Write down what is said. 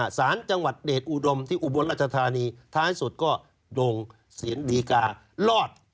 อ่าสารจังหวัฒน์เดทอุดมที่อุบลราชทานีท้ายสุดก็ดรงสีเอ็นดีการก็ลอด